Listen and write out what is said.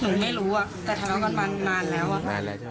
หนูไม่รู้อ่ะแต่ทะเลาะกันมานานแล้วอะค่ะ